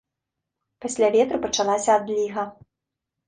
Пасля ветру пачалася адліга.